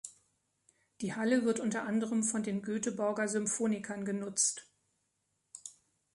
Die Halle wird unter anderem von den Göteborger Symphonikern genutzt.